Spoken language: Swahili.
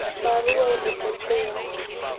Barua imepotea